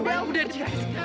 lepas udian ciganjur